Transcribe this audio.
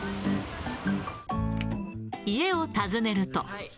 家を訪ねると。